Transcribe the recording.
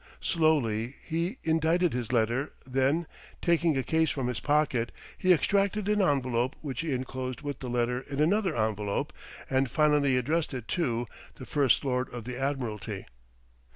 Slowly he indited his letter; then, taking a case from his pocket, he extracted an envelope which he enclosed with the letter in another envelope, and finally addressed it to "The First Lord of the Admiralty."